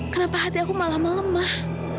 kenapa hati aku malah melemah